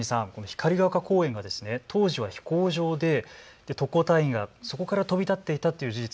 光が丘公園が当時は飛行場で特攻隊員がそこから飛び立っていたという事実